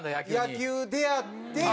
野球出会って。